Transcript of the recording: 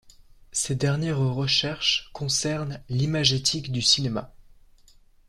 Ses dernières recherches concernent l'imagétique du cinéma.